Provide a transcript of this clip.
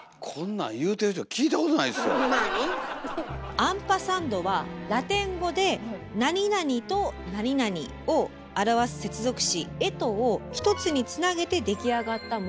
「アンパサンド」はラテン語で何々と何々を表す接続詞Ｅｔを一つにつなげて出来上がった文字です。